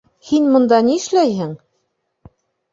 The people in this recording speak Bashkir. Һин бында ни эшләйһең?